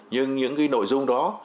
nhưng những nội dung đó